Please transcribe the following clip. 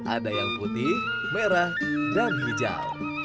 ada yang putih merah dan hijau